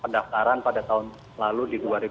pendaftaran pada tahun lalu di dua ribu sembilan belas